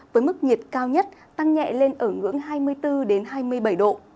với mức nhiệt cao nhất tăng nhẹ lên ở ngưỡng hai mươi bốn hai mươi bảy độ